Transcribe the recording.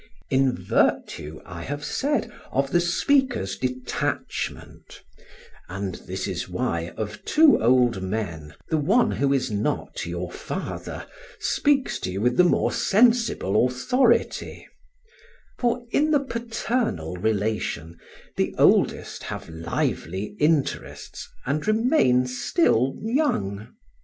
In virtue, I have said, of the speaker's detachment and this is why, of two old men, the one who is not your father speaks to you with the more sensible authority; for in the paternal relation the oldest have lively interests and remain still young.